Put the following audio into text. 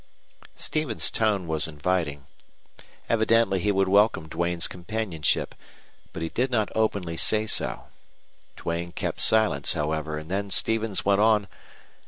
Stevens's tone was inviting. Evidently he would welcome Duane's companionship, but he did not openly say so. Duane kept silence, however, and then Stevens went on.